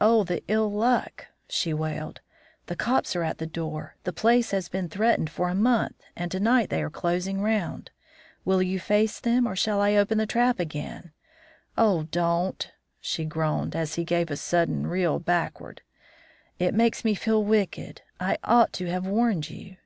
"'Oh, the ill luck!' she wailed. 'The cops are at the door. The place has been threatened for a month, and to night they are closing round. Will you face them, or shall I open the trap again Oh, don't!' she groaned, as he gave a sudden reel backward; 'it makes me feel wicked. I ought to have warned you.'